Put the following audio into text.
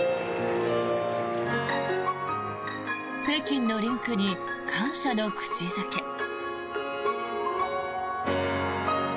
北京のリンクに感謝の口付け。